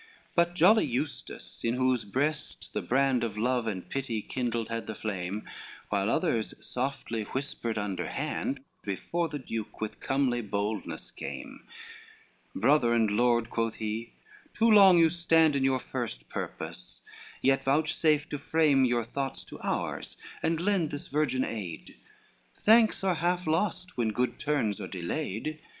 LXXVIII But jolly Eustace, in whose breast the brand Of love and pity kindled had the flame, While others softly whispered underhand, Before the duke with comely boldness came: "Brother and lord," quoth he, "too long you stand In your first purpose, yet vouchsafe to frame Your thoughts to ours, and lend this virgin aid: Thanks are half lost when good turns are delayed.